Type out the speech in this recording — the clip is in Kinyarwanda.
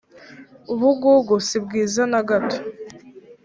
Ubugugu si bwiza nagato